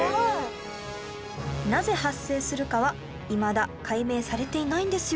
なぜ発生するかはいまだ解明されていないんですよ